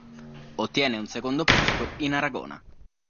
Ottiene un secondo posto in Aragona.